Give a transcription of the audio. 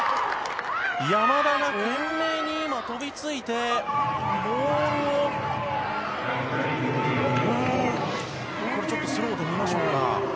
山田が懸命に今、飛びついて、ボールをうーん、これちょっとスローで見ましょうか。